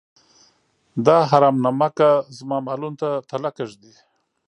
دا حرام نمکه زما مالونو ته تلکه ږدي.